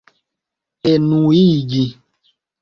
enuigi